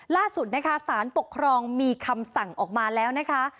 ล่าสุดนะคะสารปกครองมีคำสั่งออกมาแล้วนะคะ